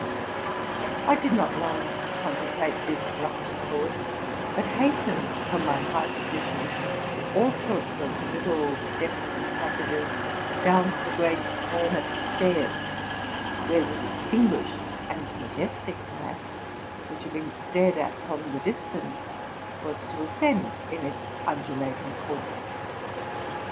° I did not long contemplate this rough sport, but hastened from my high position through all sorts of little steps and passages, down to the oreat Romer stairs, where the <a tinguished and majestic mass, which had been stared a from the distance, was to ascend in its undulating course.